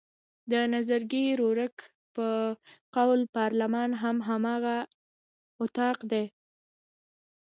د نظرګي ورورک په قول پارلمان هم هماغه اطاق دی.